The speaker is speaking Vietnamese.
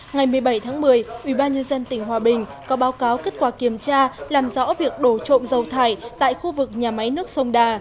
ngày một mươi bảy tháng một mươi ubnd tỉnh hòa bình có báo cáo kết quả kiểm tra làm rõ việc đổ trộm dầu thải tại khu vực nhà máy nước sông đà